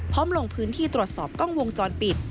ลงพื้นที่ตรวจสอบกล้องวงจรปิด